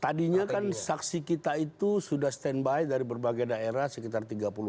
tadinya kan saksi kita itu sudah standby dari berbagai daerah sekitar tiga puluh